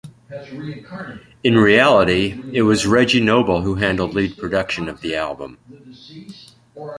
In reality, it was Reggie Noble who handled lead production of the album.